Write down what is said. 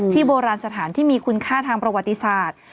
โบราณสถานที่มีคุณค่าทางประวัติศาสตร์